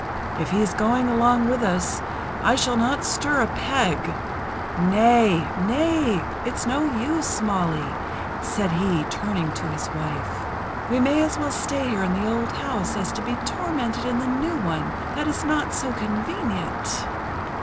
If he's going along with us, I shall not stir a peg. Nay! Nay! It's no use, Molly," said he turning to his wife. "We may as well stay here in the old house as to be tormented in the new one that is not so convenient!"